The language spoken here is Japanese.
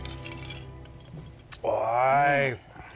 おい。